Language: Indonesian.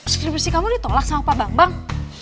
skripsi kamu ditolak sama pak bambang